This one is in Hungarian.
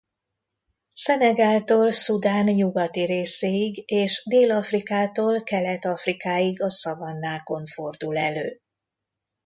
Szenegáltól Szudán nyugati részéig és Dél-Afrikától Kelet-Afrikáig a szavannákon fordul elő.